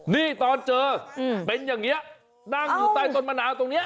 นี่ตอนเจอเป็นอย่างนี้นั่งอยู่ใต้ต้นมะนาวตรงนี้